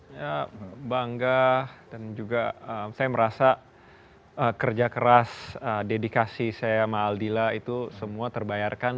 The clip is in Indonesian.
saya bangga dan juga saya merasa kerja keras dedikasi saya sama aldila itu semua terbayarkan